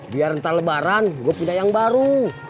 biar entah lebaran gue pindah yang baru